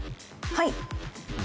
はい。